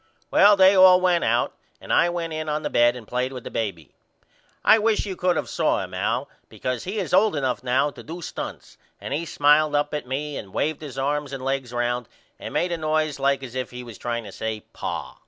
Well they all went out and I went in on the bed and played with the baby. I wish you could of saw him Al because he is old enough now to do stunts and he smiled up at me and waved his arms and legs round and made a noise like as if he was trying to say Pa.